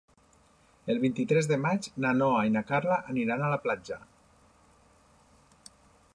El vint-i-tres de maig na Noa i na Carla aniran a la platja.